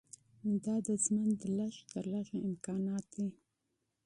دا د ژوند لږ تر لږه امکانات دي.